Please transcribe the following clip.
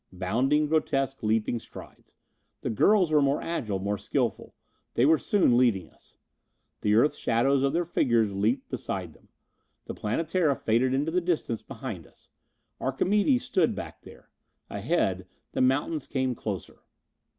Bounding, grotesque leaping strides. The girls were more agile, more skilful. They were soon leading us. The Earth shadows of their figures leaped beside them. The Planetara faded into the distance behind us. Archimedes stood back there. Ahead, the mountains came closer.